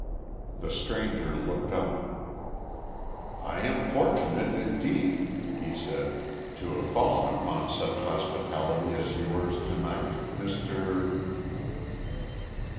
The stranger looked up. "I am fortunate indeed," he said, "to have fallen upon such hospitality as yours to night, Mr